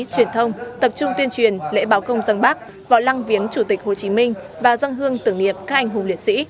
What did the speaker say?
truyền thông tập trung tuyên truyền lễ báo công dân bắc vào lăng viếng chủ tịch hồ chí minh và dân hương tưởng niệm các anh hùng liệt sĩ